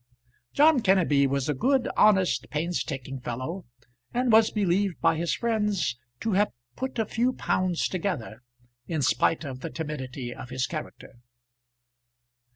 John Kenneby was a good, honest, painstaking fellow, and was believed by his friends to have put a few pounds together in spite of the timidity of his character.